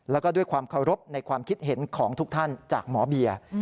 แล้วก็ด้วยความเคารพในความคิดเห็นของทุกท่านจากหมอเบียร์